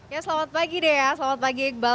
ya selamat pagi deh ya selamat pagi iqbal